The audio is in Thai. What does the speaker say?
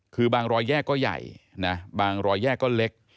คือบางรอยแยกก็ใหญ่นะบางรอยแยกก็เล็ก